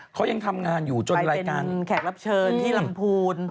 เขายังทำงานอยู่จนรายการแขกรับเชิญที่ลำพูน